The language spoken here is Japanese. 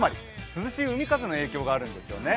涼しい海風の影響があるんですよね。